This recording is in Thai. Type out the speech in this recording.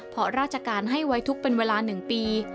เพราะราชการให้ไว้ทุกข์เป็นเวลา๑ปี